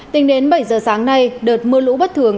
tính đến bảy giờ sáng nay đợt mưa lũ bất thường